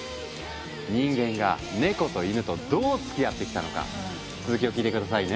人間がネコとイヌとどうつきあってきたのか続きを聞いて下さいね。